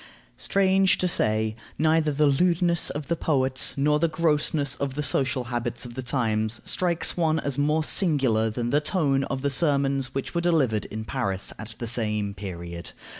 Strange to say, neither the lewdness of the poets nor the grossness of the social habits of the times strikes one as more singular than the tone of the sermons which were delivered in Paris at the same period.